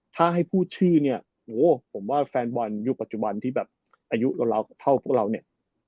ถ้าให้พูดชื่อนี้ฝ่าอบบอลประจุบันที่แบบอายุเราเท่าพวกเรานึก